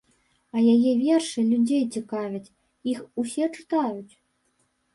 А яе вершы людзей цікавяць, іх усе чытаюць.